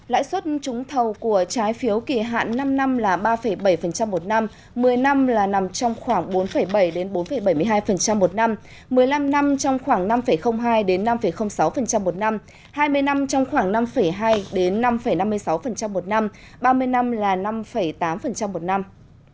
lãi suất trúng thầu của trái phiếu kỳ hạn năm năm là ba bảy một năm một mươi năm là nằm trong khoảng bốn bảy bốn bảy mươi hai một năm một mươi năm năm trong khoảng năm hai năm sáu một năm hai mươi năm trong khoảng năm hai năm năm mươi sáu một năm ba mươi năm là năm tám một năm